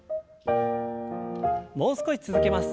もう少し続けます。